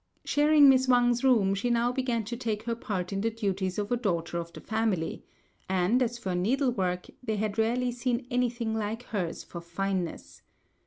Sharing Miss Wang's room, she now began to take her part in the duties of a daughter of the family; and as for needlework, they had rarely seen anything like hers for fineness.